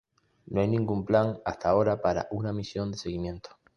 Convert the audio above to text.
No hay ningún plan hasta ahora para una misión de seguimiento.